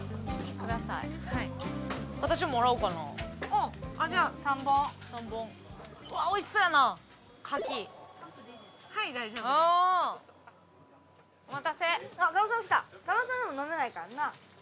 加納さんでも飲めないからな。